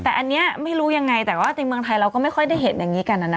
แต่อันนี้ไม่รู้ยังไงแต่ว่าในเมืองไทยเราก็ไม่ค่อยได้เห็นอย่างนี้กันนะนะ